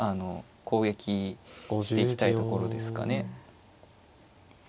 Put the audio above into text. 攻撃していきたいところですかね。